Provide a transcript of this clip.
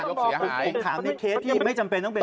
ใครล่ะใครที่คุณพิษพูดถึงใคร